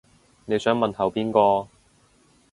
你想問候邊個